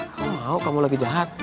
kamu mau kamu lagi jahat